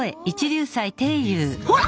ほら！